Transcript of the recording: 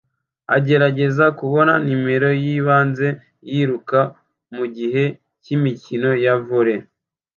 agerageza kubona numero yibanze yiruka mugihe cyimikino ya volley